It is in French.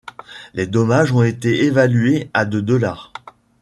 Les dommages ont été évalués à de dollars.